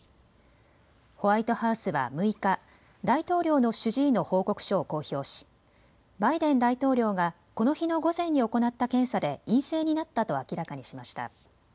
ホワイトハウスは６日、大統領の主治医の報告書を公表しバイデン大統領がこの日の午前に行った検査で陰性になったと明らかにしました。